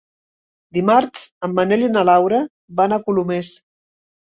Dimarts en Manel i na Laura van a Colomers.